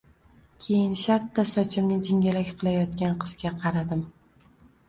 Keyin shartta sochimni jingalak qilayotgan qizga qaradim